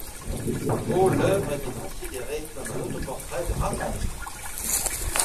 Au l'œuvre était considérée comme un autoportrait de Raphaël.